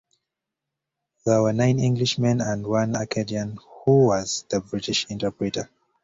There were nine English men and one Acadian who was the British interpreter.